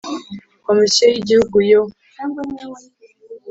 Komisiyo y Igihugu yo